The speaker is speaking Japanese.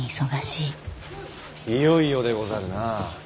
いよいよでござるな。